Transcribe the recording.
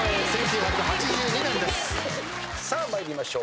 さあ参りましょう。